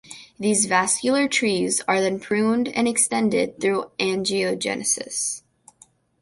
These vascular trees are then pruned and extended through angiogenesis.